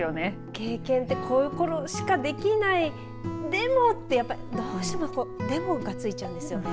経験ってこういう頃しかできないでもって、どうしてもでもがついちゃうんですよね。